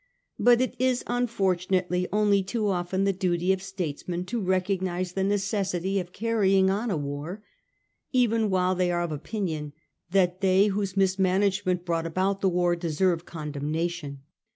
, But it is unfortunately only too often the duty of statesmen to recognise the necessity of carrying on a war, even while they are of opinion that they whose mismanagement brought about the war deserve condemnation.